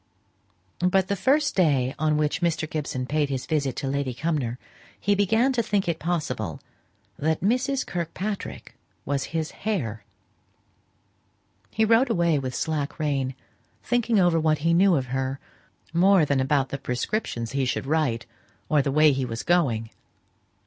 But the first day on which Mr. Gibson paid his visit to Lady Cumnor, he began to think it possible that Mrs. Kirkpatrick was his "hare." He rode away with slack rein, thinking over what he knew of her, more than about the prescriptions he should write, or the way he was going.